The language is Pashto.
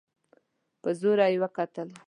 په زوره يې وکتل.